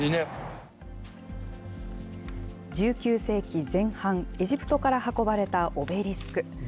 １９世紀前半、エジプトから運ばれたオベリスク。